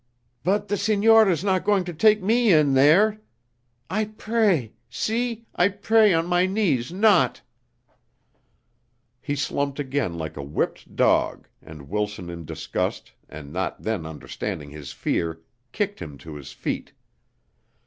"But the signor is not going to take me in there? I pray, see, I pray on my knees not." He slumped again like a whipped dog and Wilson in disgust and not then understanding his fear, kicked him to his feet.